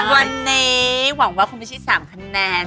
วันนี้หวังว่าคุณพิชิสามคะแนน